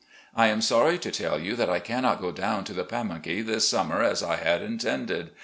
I am sorry to tell you that I cannot go down to the Pamunkey this summer as I had intended